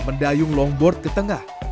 mendayung longboard ke tengah